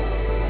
chị sợ lắm rồi